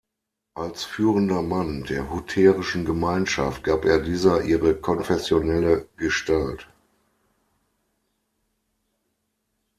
Als führender Mann der hutterischen Gemeinschaft gab er dieser ihre konfessionelle Gestalt.